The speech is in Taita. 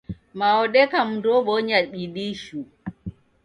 Mao odeka mundu obonya bidii shuu.